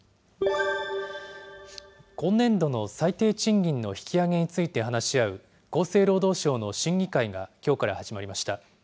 今年度の最低賃金の引き上げについて話し合う、厚生労働省の審議会がきょうから始まりました。